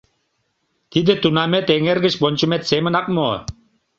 Тиде тунамет эҥер гыч вончымет семынак мо...